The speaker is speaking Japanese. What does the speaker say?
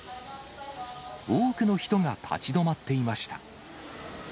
多くの人が立ち止まっていました。